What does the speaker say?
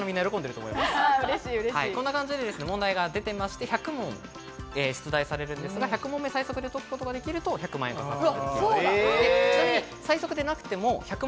こんな感じで問題が出ていて、１００問出題されるんですが、１００問目を最速で解くことができると１００万円が授与される。